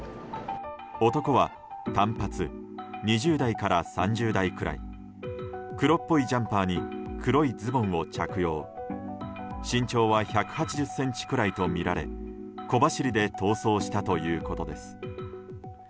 男は、短髪２０代から３０代くらい黒っぽいジャンパーに黒いズボンを着用身長は１８０ｃｍくらいとみられ小走りで逃走したということです。